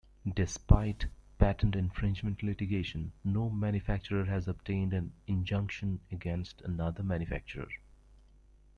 Despite patent infringement litigation, no manufacturer has obtained an injunction against another manufacturer.